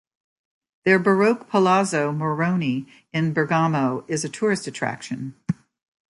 Their Baroque Palazzo Moroni in Bergamo is a tourist attraction.